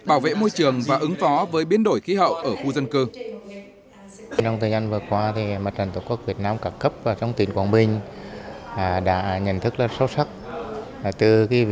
bảo vệ môi trường và ứng phó với biến đổi khí hậu ở khu dân cư